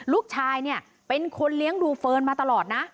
ลูกชายเนี่ยเป็นคนเลี้ยงดูเฟิร์นมาตลอดนะ